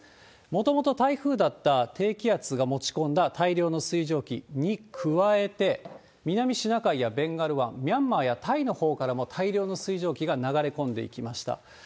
もともと台風だった低気圧が持ち込んだ大量の水蒸気に加えて、南シナ海やベンガル湾、ミャンマーやタイのほうからも大量の水蒸気が流れ込んでいきました。